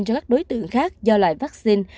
cho các đối tượng khác do loại vaccine